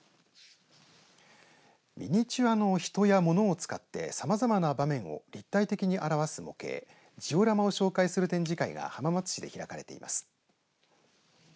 ミニチュアの人や物を使ってさまざまな場面を立体的に表す模型ジオラマを紹介する展示会が浜松市で開かれています。